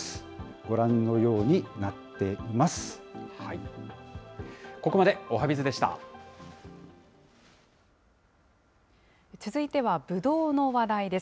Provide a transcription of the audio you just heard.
ご覧のようになっています。